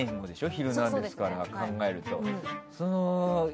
「ヒルナンデス！」から考えると。